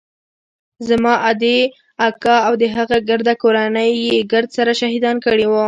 زما ادې اکا او د هغه ګرده کورنۍ يې ګرد سره شهيدان کړي وو.